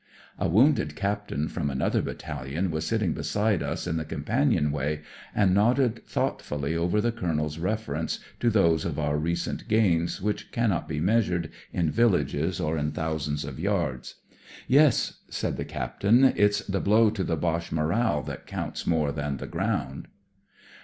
A wounded Captain from another batta lion was sitting beside us in the companion way, and nodded thoughtfully over the mtm 86 THE MORAL OF THE BOCHE ;.« Colonel's reference to those of our recent gains which cannot be measured in villages or in thousands of yards. "Yes," said the Captain, "it's the blow to the Boche moral that counts more than the ground."